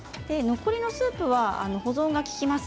残りのスープは保存が利きます。